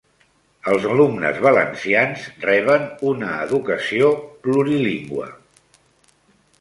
Els alumnes valencians reben una educació plurilingüe.